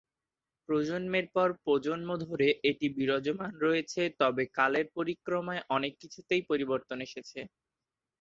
প্রজন্মের পর প্রজন্ম ধরে এটি বিরাজমান রয়েছে, তবে কালের পরিক্রমায় অনেক কিছুতেই পরিবর্তন এসেছে।